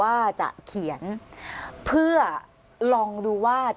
อันดับที่สุดท้าย